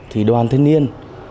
thì đoàn thanh niên